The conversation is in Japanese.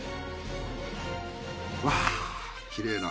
うわきれいな。